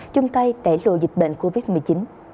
trung tây đẩy lùa dịch bệnh covid một mươi chín